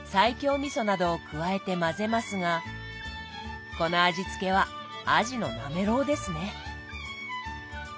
みそなどを加えて混ぜますがこの味付けはあじのなめろうですね。